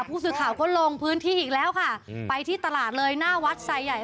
ผู้สื่อข่าวก็ลงพื้นที่อีกแล้วค่ะไปที่ตลาดเลยหน้าวัดไซใหญ่